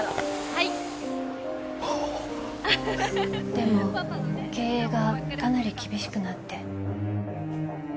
でも経営がかなり厳しくなって。